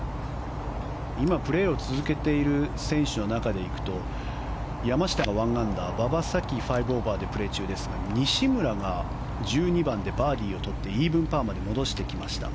今、プレーを続けている選手の中でいうと山下が１アンダー馬場咲希が５オーバーでプレー中ですが西村が１２番でバーディーをとってイーブンパーまで戻してきました。